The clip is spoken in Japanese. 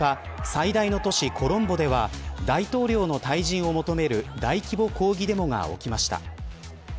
最大の都市コロンボでは大統領の退陣を求める大規模抗議デモが起きました。